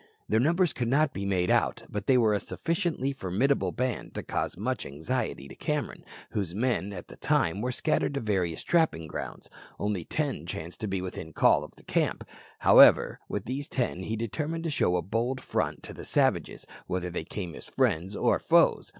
Their numbers could not be made out, but they were a sufficiently formidable band to cause much anxiety to Cameron, whose men, at the time, were scattered to the various trapping grounds, and only ten chanced to be within call of the camp. However, with these ten he determined to show a bold front to the savages, whether they came as friends or foes.